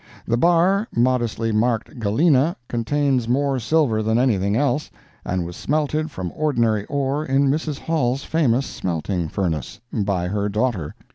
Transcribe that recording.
The bar modestly marked "galena," contains more silver than anything else, and was smelted from ordinary ore in Mrs. Hall's famous smelting furnace, by her daughter.